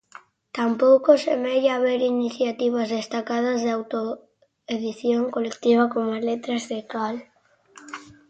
Tampouco semella haber iniciativas destacadas de autoedición colectiva coma Letras de Cal.